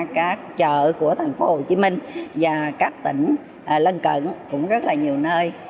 các chợ của tp hcm và các tỉnh lân cận cũng rất là nhiều nơi